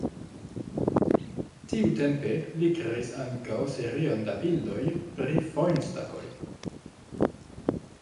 Tiutempe li kreis ankaŭ serion da bildoj pri fojn-stakoj.